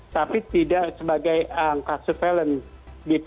tapi tidak sebagai angka surveillance